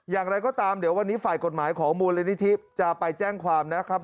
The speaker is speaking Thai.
อย่างไรก็ตามเดี๋ยววันนี้ฝ่ายกฎหมายของมูลนิธิจะไปแจ้งความนะครับ